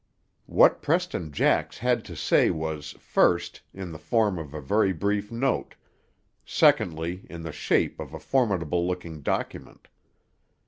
What Preston Jax had to say was, first, in the form of a very brief note; secondly, in the shape of a formidable looking document.